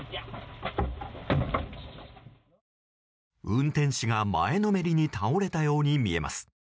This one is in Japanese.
運転手が前のめりに倒れたように見えます。